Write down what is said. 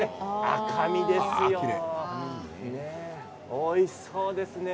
おいしそうですね。